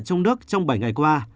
trong nước trong bảy ngày qua